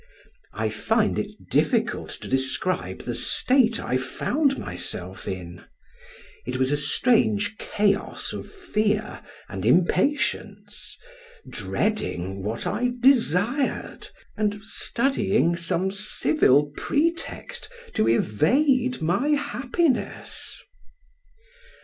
I find it difficult to describe the state I found myself in; it was a strange chaos of fear and impatience, dreading what I desired, and studying some civil pretext to evade my happiness.